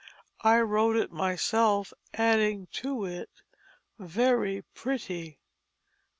I wrote it myself, adding to it 'very pretty.'"